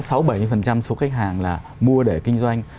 số khách hàng là mua để kinh doanh